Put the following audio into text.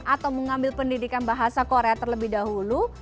atau mengambil pendidikan bahasa korea terlebih dahulu